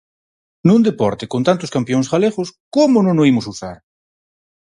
Nun deporte con tantos campións galegos, como non o imos usar?!